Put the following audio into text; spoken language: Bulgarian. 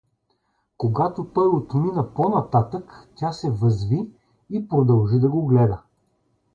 Когато той отмина по-нататък, тя се възви и продължи да го гледа.